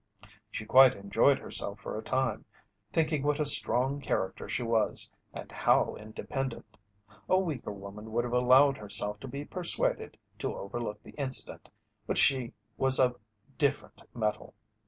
She quite enjoyed herself for a time, thinking what a strong character she was, and how independent. A weaker woman would have allowed herself to be persuaded to overlook the incident, but she was of different metal.